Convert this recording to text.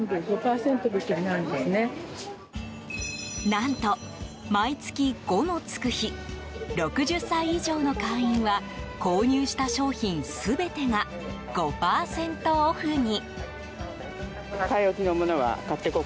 何と、毎月５のつく日６０歳以上の会員は購入した商品全てが５％オフに。